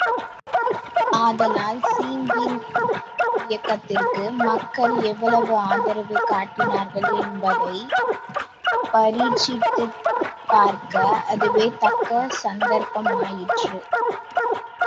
ஆதலால் ஸின்பீன் இயக்கத்துக்கு மக்கள் எவ்வளவு ஆதரவு காட்டினார்கள் என்பதைப் பரீட்சித்துப் பார்க்க அதுவே தக்க சந்தர்ப்பமாயிற்று.